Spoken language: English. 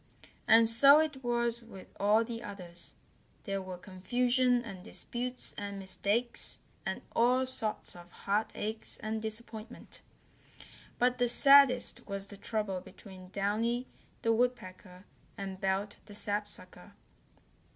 And so it was with all the others. There were confusion and disputes and mistakes, and all sorts of heart aches and disappointment. But the saddest was the trouble between Downy the Woodpecker and Belt the Sapsucker.